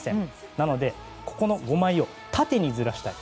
なので、ここの５枚を縦にずらしたい。